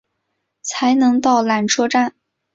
才能到缆车站